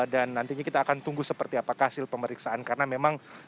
dan nantinya kita akan tunggu seperti apakah hasil pemeriksaan